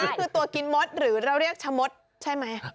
นี่คือตัวกินมดหรือเราเรียกชะมดใช่ไหม